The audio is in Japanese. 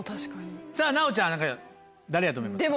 さぁ奈央ちゃん誰やと思いますか？